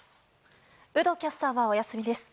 有働キャスターはお休みです。